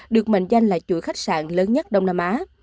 được mệnh danh là chuỗi khách sạn lớn nhất đông nam á